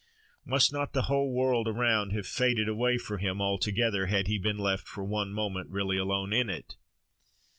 Must not the whole world around have faded away for him altogether, had he been left for one moment really alone in it?